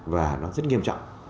và nó rất nghiêm trọng